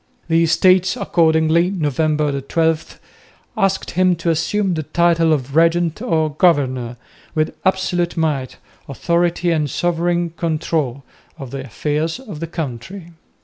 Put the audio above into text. The Estates accordingly, November 12, asked him to assume the title of Regent or Governor, with "absolute might, authority and sovereign control" of the affairs of the country.